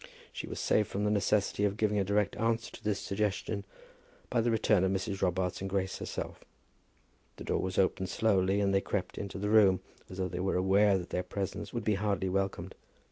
She was saved from the necessity of giving a direct answer to this suggestion by the return of Mrs. Robarts and Grace herself. The door was opened slowly, and they crept into the room as though they were aware that their presence would be hardly welcomed.